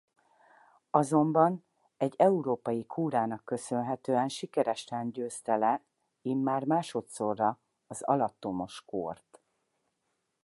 Azonban egy európai kúrának köszönhetően sikeresen győzte le immár másodszorra az alattomos kórt.